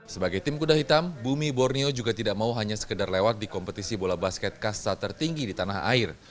sebagai tim kuda hitam bumi borneo juga tidak mau hanya sekedar lewat di kompetisi bola basket kasta tertinggi di tanah air